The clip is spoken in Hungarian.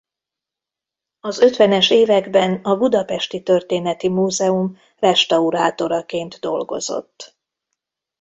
Az ötvenes években a Budapesti Történeti Múzeum restaurátoraként dolgozott.